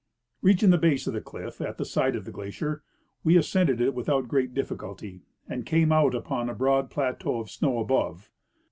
Reaching the base of the cliff at the side of the glacier, we ascended it without great cliflLiculty, and came out uj)on the broad plateau of snow above.